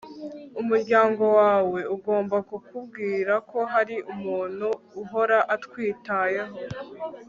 umuryango wawe ugomba kukubwira ko hari umuntu uhora akwitayeho